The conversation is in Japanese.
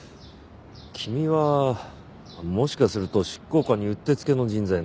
君はもしかすると執行官にうってつけの人材なんじゃないか？